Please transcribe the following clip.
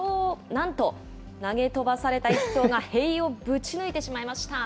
なんと、投げ飛ばされた１頭が塀をぶち抜いてしまいました。